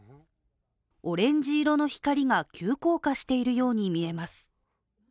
オレンジ色の光が急降下しているように見えます。